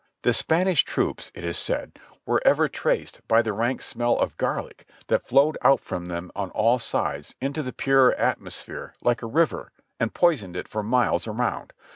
The Spanish troops, it is said, were ever traced by the rank smell of garlic that flowed out from them on all sides into the purer atmosphere like a river and poisoned it for miles around.